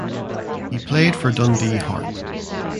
He played for Dundee Harp.